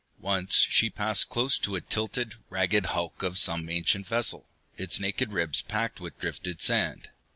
Once she passed close to a tilted, ragged hulk of some ancient vessel, its naked ribs packed with drifted sand.